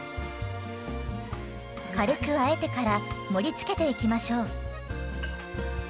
軽くあえてから盛りつけていきましょう。